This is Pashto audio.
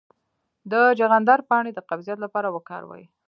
د چغندر پاڼې د قبضیت لپاره وکاروئ